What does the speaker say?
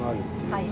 はい。